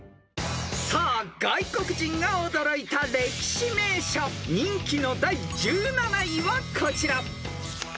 ［さあ外国人が驚いた歴史名所人気の第１７位はこちら］